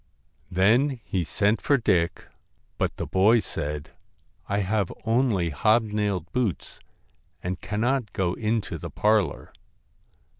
Then he sent for Dick, but the boy said :' I have only hobnailed boots and cannot go into the parlour.'